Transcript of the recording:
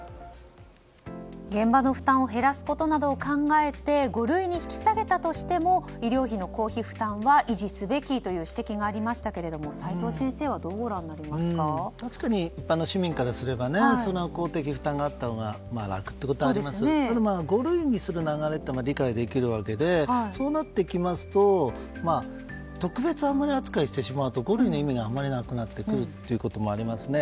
現場の負担を減らすことなどを考えて五類に引き下げたとしても医療費の公費負担は維持すべきという指摘がありましたが齋藤先生は確かに、一般の市民からすれば公的負担があったほうが楽ということはありますが五類にする流れは理解できるわけでそうなってきますと特別扱いをあまりしてしまうと五類の意味があまりなくなってくることもありますよね。